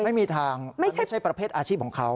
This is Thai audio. ไม่มีทางมันไม่ใช่ประเภทอาชีพของเขา